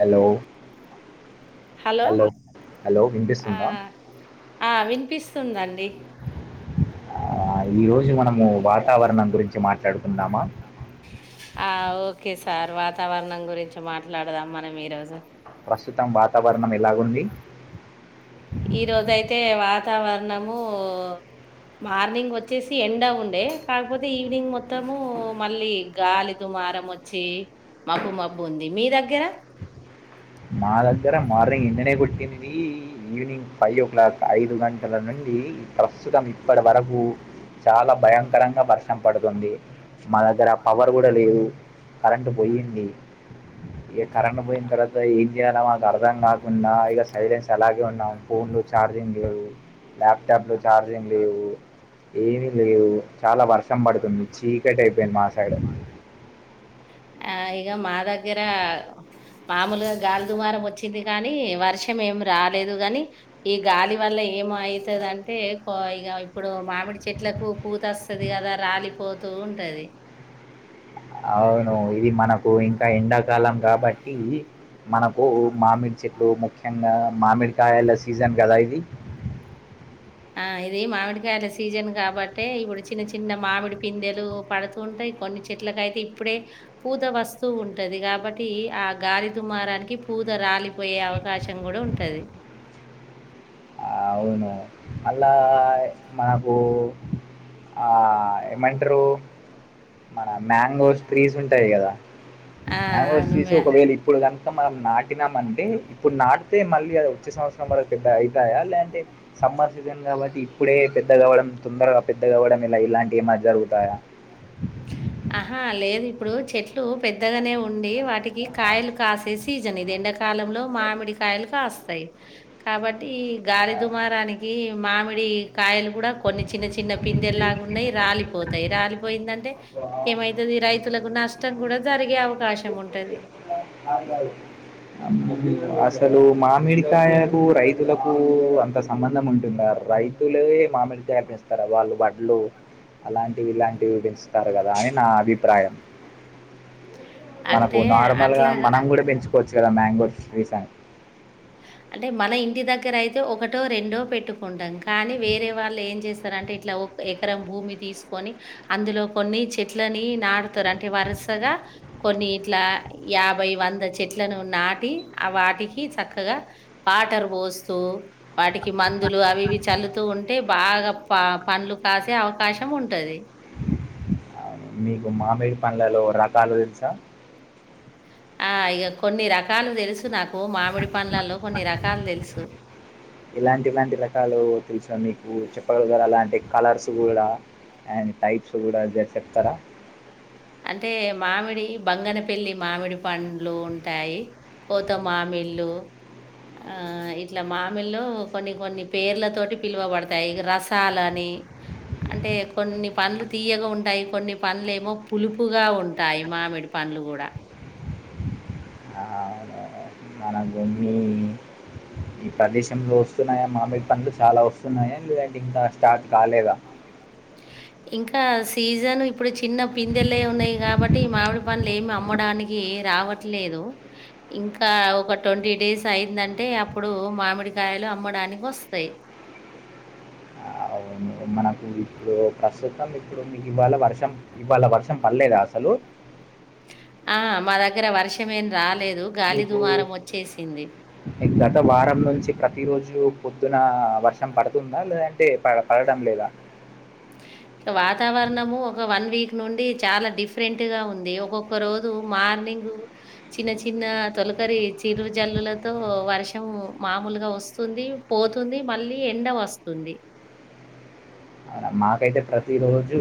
Hello hello hello ఆ, వినిపిస్తుందా ఆ వినిపిస్తుందండి ఈ రోజు మనము వాతావరణం గురించి మాట్లాడుకుందామా? ఆ ఓకే సార్, వాతావరణం గురించి మాట్లాడదాం మనం ఈ రోజు ప్రస్తుతం వాతావరణం ఎలాగుంది ఈ రోజయితే వాతావరణము మార్నింగ్ వచ్చేసి ఎండ్ అవ ఉండే కాకపోతే ఈవినింగ్ మొత్తము మళ్ళీ గాలి దుమ్ము వారమొచ్చి మబ్బు మబ్బు ఉంది, మీ దగ్గర మా దగ్గర మార్నింగ్ ఎండనే గొట్టిందీ, ఈవినింగ్ ఫైవ్ ఓ క్లాక్ ఐదు గంటల నుండి ఈ ప్రస్తుతం ఇప్పడ వరకు చాలా భయంకరంగా వర్షం పడుతుంది, మా దగ్గర పవర్ గూడ లేదు. కరెంటు పోయింది ఇగ కరెంటు పోయిన్తర్వాత ఏం జేయాల మాకు అర్థం గాకున్న ఇగ సైలెన్స్ అలాగే ఉన్నాం, ఫోన్లు చార్జింగ్ లేవు ల్యాప్టాప్లు చార్జింగ్ లేవు, ఏమి లేవు. చాలా వర్షం పడుతుంది, చీకటయిపోయింది మా సైడ్ ఆ ఇగ మాదగ్గరా మామూలుగా గాలి దుమారం వచ్చింది గనీ వర్షం ఏమి రాలేదు గని ఈ గాలి వల్ల ఏ ఏమో అయితదంటె పో ఇగ ఇప్పుడు మామిడి చెట్లకు పూత వస్తుది కదా రాలిపోతూ ఉంటది అవును ఇది మనకు ఇంకా ఎండాకాలం కాబట్టి మనకు మామిడి చెట్టు ముఖ్యంగా మామిడికాయల సీజన్ కదా ఇది ఆ ఇది మామిడికాయల సీజన్ కాబట్టి ఇప్పుడు చిన్న చిన్న మామిడి పిందెలు పడుతూంటాయి కొ కొన్ని చెట్లకయితే ఇప్పుడే పూత వస్తూ ఉంటది కాబట్టి ఆ గాలి దుమారానికి పూ రాలిపోయే అవకాశం కూడా ఉంటది అవును అలా మనకు ఆ ఏమంటారు మన మ్యాంగోస్ ట్రీస్ ఉంటాయి కదా ఆ ఆవ అవును చసి మ్యా ఒకవేళ ఇప్పుడు కనుక మనం నాటి న్నామంటే ఇప్పుడు నాటితే మళ్ళీ అది వచ్చే సంవత్సరం వర పెద్ద అయి లేంటే సమ్మర్ సీజన్ కాబట్టి ఇప్పుడే పెద్ద కావడం తొందరగా పెద్ద కావడం ఇలా ఇలాంటివి జరుగుతయా ఆహా లేదు ఇప్పుడు చెట్లు పెద్దగానే ఉండి వాటికి కాయలు కాసేసి సీజన్ ఇది ఎండాకాలంలో మామిడికాయలు కాస్తాయి కాబట్టి అ గాలి దుమారానికి మామిడి కాయలు కూడా కొన్ని చిన్న చిన్న పిందెలాగా ఉన్నాయి రాలిపోతాయి రాలిపోయిందంటే ఏమైతుది రైతులకు నష్టం కూడా జరిగే అవకాశం ఉంటది అ అసలు మామిడికాయకు రైతులకు అంత సంబంధం ఉంటుందా రైతులే మామిడిగాపిస్తారా వాళ్ళు వడ్లు అలాంటివి ఇలాంటివి విడిస్తారు కదా అయ అభిప్రాయ [unintelligible] మనకు నార్మల్ గా మనం కూడా పెంచుకోవచ్చు కదా మ్యాంగో ట్రీస్ అని అంటే మన ఇంటి దగ్గర అయితే ఒకటో రెండో పెట్టుకుంటాం కానీ వేరే వాళ్ళు ఏం చేస్తారుంటే ఇట్లా ఎకరం భూమి తీసుకొని అందులో కొన్ని చెట్లని నాడుతారు అంటే వరుసగా కొన్ని ఇట్ల యాభై వంద చెట్లను నాటి ఆ వాటికి చక్కగా చక్కగా వాటరు పోస్తూ వాటికి మందులు అవి ఇవి చల్లుతూ ఉంటా అంటే బాగా ప పంలు కాసే అవకాశం ఉంటది మీకు మామిడి పండ్లలో రకాలు తెలుసా ఆ ఇక కొన్ని రకాలు తెలుసు నాకు మామిడి పండ్లల్లో కొన్ని రకాలు తెలుసు ఇలాంటిలాంటి రకాలు తెలుసా మీకు చెప్పగలరా అలాంటి కలర్స్ కూడా అడ్ టైప్స్ కూడా చెప్తారా అంటే మామిడి బంగనపల్లి మామిడి పండ్లు ఉంటాయి కోత మామిల్లు ఆ ఇట్లా మామిలు కొన్ని కొన్ని పేర్లతోటి పిలువబడతాయి ఇక రసాలుని అంటే కొన్ని పనులు తీయగా ఉంటాయి కొన్ని పనులు ఏమో పులుపుగా ఉంటాయి మామిడి పండ్లు కూడా వమి ఈ ప్రదేశంలో వస్తున్నాయా మామిడి పనులు చాలా వస్తున్నాయా లేదంటే ఇంకా స్టాక్ కాలేదా [inaudible] ఇంకా సీజన్ ఇప్పుడు చిన్న పిందెలే ఉన్నాయి కాబట్టి ఈ మామిడి పనుడ్లు ఏమి అమ్మడానికి రా రావట్లేదు ఇంకా ఒక ట్వంటీ డేస్ అయిందంటే అప్పుడు మామిడికాయలు అమ్మడానికి వస్తాయి అవు మనకు ఇప్పుడు ప్రస్తుతం ఇప్పుడు మీకు ఇవాళ వర్షం ఇవాళ వర్షం పడలేదా అసలు [inaudible] ఆ మా దగ్గర వర్షం ఏం రాలేదు గాలి మీకు దుమారం వచ్చేసింది గత వారం నుంచి ప్రతి రోజు పొద్దున వర్షం పడుతుందా లేదంటే పడడం లేదు [unintelligible] వాతావరణము ఒక వీక్ నుండి చాలా డిఫరెంట్ గా ఉంది ఒక్కొక్క రోజు మార్నింగ్ చిన్న చిన్న తొ కరి చిరు జల్లులతో వర్షం మామలుగా వస్తుంది పోతుంది మళ్ళీ ఎ న వస్తుంది [inaudible] అవున మాకైతే ప్రతి రోజు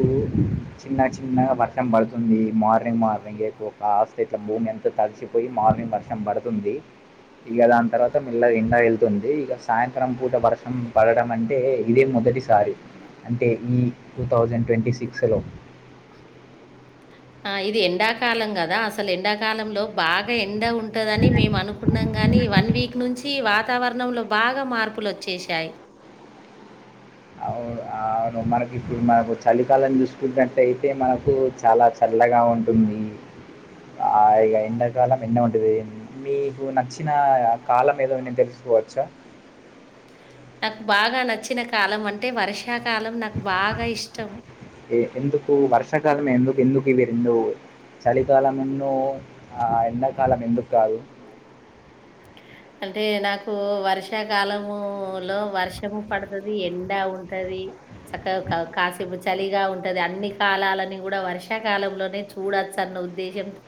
చిన్న చిన్నగా వర్షం పడుతుంది మార్నింగ్ వక్ వెంగేకొక ఆఫ్ సెట్ల భూమి అంతా తడిసిపోయి మార్మింగ్ వర్షం పడుతుంది ఇక దాని తర్వాత మెల్లగా ఎండా వెళ్తుంది ఇక సాయంత్రం పూట వర్షం పడటడం అంటే ఇదే ము మొదటిసారి అంటే ఈ టూ థౌజండ్ ట్వంటీ సిక్స్లో ఆ ఇది ఎండాకాలం కదా అసలు ఎండాకాలంలో బాగా ఎండ వు ఉంటదని మేము అనుకున్నాం గాని వన్ వీక్ నుంచి వాతావరణంలో బాగా మార్పులొచ్చేశాయి అవును అవును మనకిప్పుడు మనకు చలికాలం చూసుకున్నట్టు అయితే మనకు చాలా చలి తగా ఉంటుంది ఆ ఇగ ఎండాకాలం ఎండ ఉంటది మీకు నచ్చిన కాలం ఏదో నేన్ తెలుసుకోవచ్చా నాకు బాగా నచ్చిన కాలం అంటే వర్షాకాలం నాకు బాగా ఇష్టం ఆ ఎందుకు వర్షాకాలమే ఎందుకు ఎందుకు ఇవి ఎందు చలికాలం వున్ను ఆ ఎండాకాలం ఎందుకు కాదు అంటే నాకు వర్షాకాలము లో వర్షము పడుతది ఎండా ఉంటది చక్కగా కాసేపు చలిగా ఉంటది అన్ని కాలలని కూడా వర్షాకాలంలోనే చూడొచ్చు అను ఉద్దేశం తో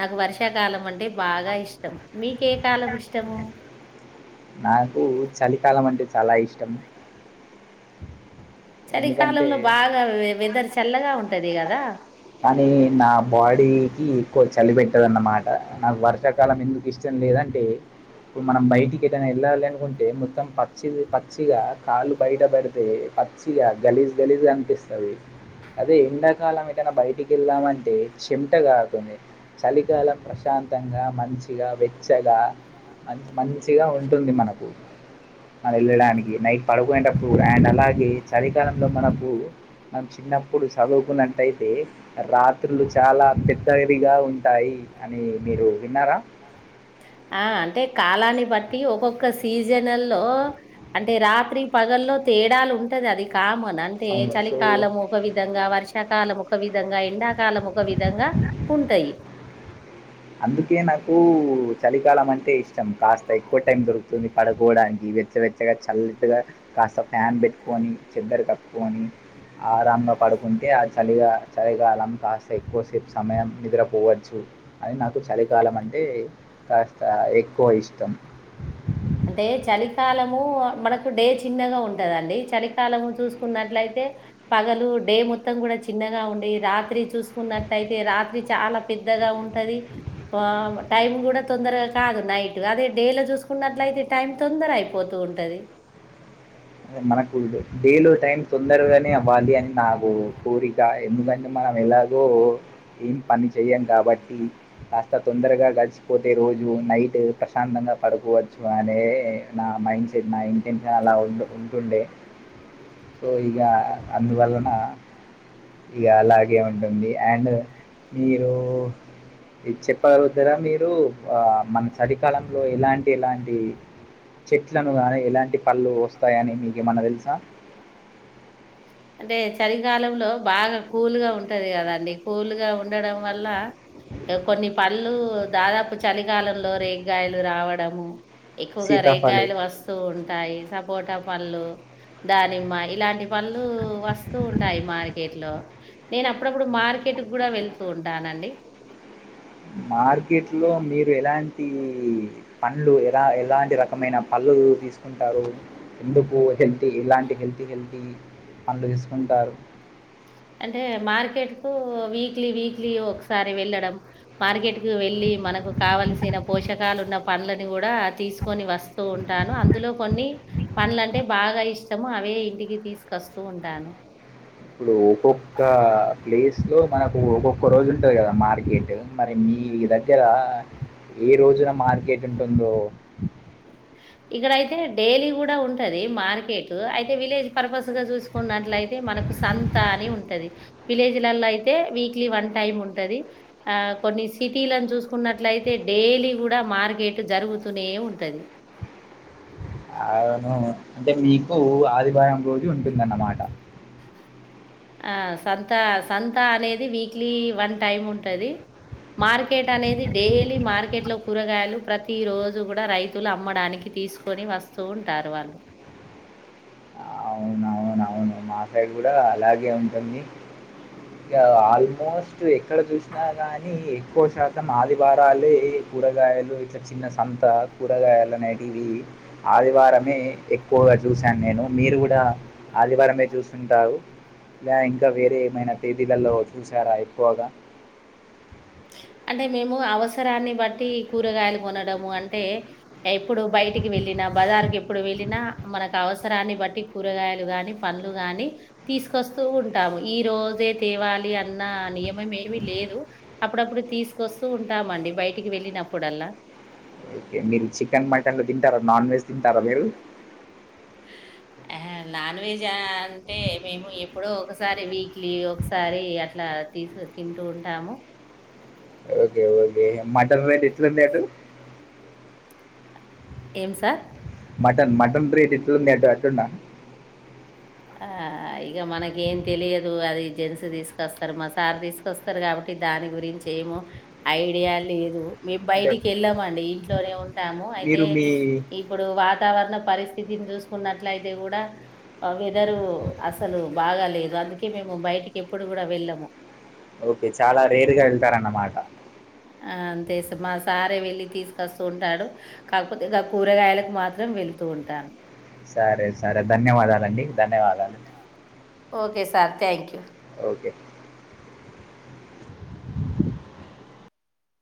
నాకు వర్షాకాలం అంటే బాగా ఇష్టం మీ కే కాలం ఇష్టము నాకు చలికాలం అంటే చాలా ఇష్టం ఎందుకంటే చలికాలంలో బాగా వెదర్ చల్లగా ఉంటది కదా కానీ నా బాడీ కి ఎక్కువ చలి పెట్టదన్నమాట నాకు వర్షాకాలం ఎందుకు ఇష్టం లేదంటే ఇప్పుడు మనం బయటికి ఎటనా వెళ్ళాలి అనుకుంటే మొత్తం పచ్చి పచ్చిగా కాళ్ళు బయటపడితే పచ్చి ఇగ గలీజ్ గలీజ్ గా అపిస్తది అదే ఎండాకాలం ఏటనా బయటికి వెళ్దామంటే చమటగారుతుంది చలికాలం ప్రశాంత తంగా మంచిగా వెచ్చగా మ మంచిగా ఉ ఉంటుంది మనకు మన వెళ్ళడానికి నైట్ పడుకునేటప్పుడు అండ్ అలాగే చలికాలంలో మనకు మనం చిన్నప్పుడు చదువుకున్నట్టయితే రాత్రులు చాలా పెద్దదిగా ఉంటాయి అని మీరు విన్నారా ఆ అంటే కాలాన్ని బట్టి ఒక్కొక్క సీజన్ లో అంటే రాత్రి పగల్లో తేడాలు ఉం అంటే అది కామన్ అంటే అవును సో చలికాలం ఒక విధంగా వర్షాకాలం ఒక ఒక విధంగా ఎండాకాలం ఒక విధంగా ఉంటయి అందుకే నాకు చలికాలం అంటే ఇష్టం. కాస్త ఎక్కువ టైం దొరుకుతుంది పడకోోడానికి వెచ్చ వెెచ్చగా చల్లెట్గా కాస్త ఫ్యాన్ పెట్టుకొని చెద్దర కప్పుకొని ఆరంబం పడుకుంటే ఆ చలిగా చలిగాలం కాస్త ఎక్కువసేపు సమయం నిద్రపోవచ్చు అది నాకు చలికాలం అంటే కాస్త ఎక్కువ ఇష్టం అంటే చలికాలము మనకు డే చిన్నగా ఉంటదండి చలికాలము చూసుకున్నట్లయితే తె పగలు డే మొత్తం కూడా చిన్నగా ఉండి రాత్రి చూసుకున్నట్టయితే రాత్రి చాలా పె పెద్దగా ఉంటది ఆ టైం కూడా తొందరగా కాదు నైట్ అదే డే లో చూసుకున్న అట్ల అయితే టైం తొందర అయిపోతూ ఉంటది అదే మనకు డేలో టైం తొందరగనే అవ్వాలి అని నాకు కోరిక ఎందుకంటే మ మనం ఎలాగో ఏం పని చెయం కాబట్టి కాస్త తొందరగా గడిచిపోతే రోజు ను నైట్ ప్రశాంతంగా పడుకోవచ్చు అనే నా మైండ్ సెట్ నా ఇంటెన్షన్ అలా ఉండ ఉంటుండే సో ఇగ అందువలన ఇగలాగే ఉంటుంది అండ్ మీరు! ఇది చెప్పగలుగుతారా మీరు ఆ మన చలికాలంలో ఎలాం ఎలాంటి చెట్లను గానీ, ఎలాంటి పళ్ళు వస్తే వస్తాయని మీకేమైనా తెలుసా అంటే చలికాలంలో బాగా కూల్గా ఉంటది కదాండి. కూల్గా ఉండడం వల్ల కొన్ని పళ్ళు దాదాపు చలికాలంలో రేగాయలు రావడము ఎక్కువగా సీతాఫలం రేగాయలు వస్తూ ఉంటాయి. సపోటా పళ్లు, దానిమ్మ ఇలాంటి పళ్ళు వస్తూ ఉంటాయి మార్కెట్ లో నేనప్పుడప్పుడు మార్కెట్కు కూడా వెళ్తూ ఉంటానండి. అ మార్కెట్ లో మీరు ఎలాంటి పంలు ఎలా ఎలాంటి రకమైన పలు తీసుకుంటారు ఎందుకు హెల్తీ ఇలాంటి హెల్తీ హెల్తీ పళ్లు తీసుకుంటారు అంటే మార్కెట్ కు వీక్లీ, వీక్లీ ఒకసారి వెళ్ళడం మార్కెట్ కు వెళ్లిి మనకు కావలసిన పోషకాలున్న పళ్ళని కూడా తీసుకొని వస్తూ ఉంటాను. అందులో కొన్ని పళ్ళంటే బాగా ఇష్టము, అవే ఇంటికి తీసుకొస్తూ ఉంటాను. ఇప్పుడు ఒక్కొక్క ప్లేస్ లో మనకు ఒక్కొక్క రోజు ఉంటది కదా మార్కెట్ మరి ఈ దగ్గర ఏ రోజున మార్కెట్ ఉంటుందో ఇక్కడయితే డైలీ కూడా ఉంటది మార్కెట్. అయితే విలేజ్ పర్పస్ పర్పస్ గా చూసుకున్నట్లయితే మనకు సంత అని ఉంటది. విలేజ్ లలో అయితే వీక్లీ వన్ టైమ్ ఉంటది. ఆ కొన్ని సిటీలని చూసుకున్నట్లయితే డైలీ గూడా మార్కెట్ జరుగుతూనే ఉంటది. అవును అంటే మీకు ఆదివారం రోజు ఉంటుందన్నమాట ఆ సంత సంత అనేది వీక్లీ వన్ టైమ్ ఉంటది. మార్కెట్ అనేది డైలీ మార్కెట్ లో! కూరగాయలు ప్రతి రోజూ కూడా రైతులమ్మడానికి తీసుకొని వస్తూ ఉంటారు వాళ్ళు. అవున అవున అవును మాసయి కూడా అలాగే ఉంటుంది ఇంకా ఆల్మోస్ట్ ఎక్కడ చూసినా కానీ ఎక్కువ శాతం ఆదివారాలే కూరగాయలు ఇట్లా చిన్న సంత కూరగాయలు అనేటివి ఆదివారమే ఎక్కువ చూసాను నేను మీరు కూడా ఆదివారమే చూస్తుంటారు ఇ ఇంకా వేరే ఏమైనా తేదీలలో చూసారా ఎక్కువగా అంటే మేము అవసరాన్ని బట్టి కూరగాయలు కొనడము, అంటే ఎప్పుడు బయటికి వెళ్ళి వెళిన బజారుకెప్పుడు వెళ్ళిన మనకు అవసరాన్ని బట్టి కూరగాయలు గాని, పళ్ళు గాని తీస్ తీసుకొస్తూ ఉంటాము. ఈ రోజే తేవాలి అన్న నియమమేమీ లేదు. అప్పుడప్పుడు తీసుకొస్తూ ఉంటామండి, బయటికి వెళ్ళినప్పుడల్లా. ఓకే మీరు చికెన్ మటన్ లో తింటారా నాన్ వెజ్ తింటారా మీరు హా నాన్ వేజా అంటే మేము ఎప్పుడో ఒకసారి. వీక్లీ ఒకసారి అట్లా తీసు తింటూ ఉంటాము. ఓకే ఓకే మటన్ రేట్ ఇట్ల ఎంతట ఏం సార్ మటన్ మటన్ బీట్ ఇట్ట అట్న్నా ఆ ఇగ మనకేం తెలియదు అది జెన్స్ తీసుకొస్తరు. మా సార్ తీసుకొస్తరు కాబట్టి దాని గురించేమో ఐడియా లేదు. మేము అంటే బయటికెళ్ళామండి, ఇంట్లోనే ఉంటాము. అయితే మీరు మీ ఇప్పుడు వా వాతావరణ పరిస్థితిని చూసుకున్నట్లయితే గూడ అగే వెదరూ అసలు బాగాలేదు. అందుకే మేము బయటికి ఎప్పుడు గూడా వెళ్ళము. ఓకే చాలా రేరుగా వెళ్తారన్నమాట ఆ అంతే మా సారే వెళ్ళి తీసుకొస్తూ ఉంటాడు. కాకపోతే ఆ కూరగాయలకు మాత్రం వెళ్తూ ఉంటాను సరే సరే ధన్యవాదాలండి ధన్యవాదాలు okay sir thank you okay